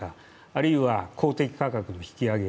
あるいは、公的価格の引き上げ